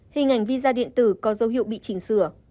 hình ảnh visa điện tử có dấu hiệu bị chỉnh sửa